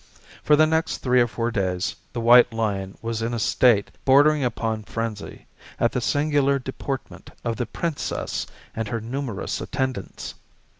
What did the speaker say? For the next three or four days, the White Lion was in a state bordering upon frenzy, at the singular deportment of the "Princess" and her numerous attendants.